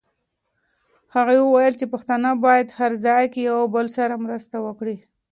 هغې وویل چې پښتانه باید هر ځای کې یو بل سره مرسته وکړي.